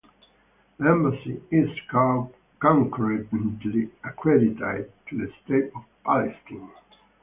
The embassy is concurrently accredited to the State of Palestine.